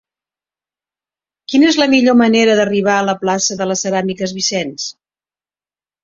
Quina és la millor manera d'arribar a la plaça de les Ceràmiques Vicens?